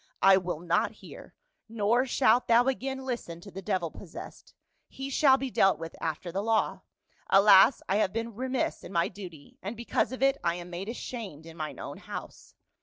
I will not hear. Nor shalt thou again listen to the devil possessed. He shall be dealt with after the law. Alas, I have been remiss in my duty, and because of it I am made THE CHOSEN AND THE ACCURSED. 121 ashamed in mine own house.